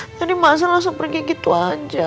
tadi masalah seperti gitu aja